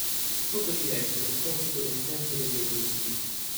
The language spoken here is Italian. Poco ci resta del computo del tempo degli Etruschi.